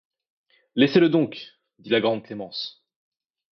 Laissez-le donc, dit la grande Clémence.